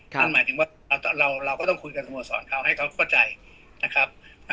นั่นหมายถึงว่าเราก็ต้องคุยกับสโมสรเขาให้เขาเข้าใจนะครับ